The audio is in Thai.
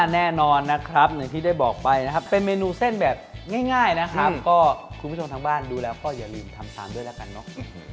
แน่นอนนะครับอย่างที่ได้บอกไปนะครับเป็นเมนูเส้นแบบง่ายนะครับก็คุณผู้ชมทางบ้านดูแล้วก็อย่าลืมทำตามด้วยแล้วกันเนอะ